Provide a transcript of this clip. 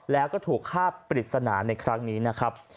แล้วก็ถูกฆ่าปริศนาในครั้งนี้นะครับ